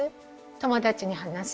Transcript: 友達に話す？